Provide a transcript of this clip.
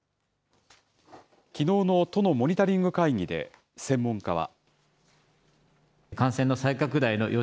きのうの都のモニタリング会議で、専門家は。